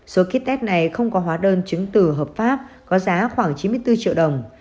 số kit tech này không có hóa đơn chứng từ hợp pháp có giá khoảng chín mươi bốn triệu đồng